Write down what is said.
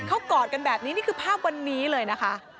เขากอดกันแบบนี้นี่คือภาพวันนี้เลยนะคะ